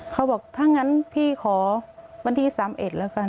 เขาบอกถ้างั้นพี่ขอวันที่๓๑แล้วกัน